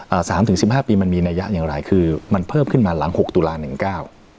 สามถึงสิบห้าปีมันมีนัยยะอย่างไรคือมันเพิ่มขึ้นมาหลังหกตุลาหนึ่งเก้า